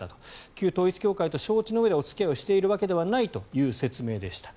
旧統一教会と承知のうえでお付き合いをしているわけではないという説明でした。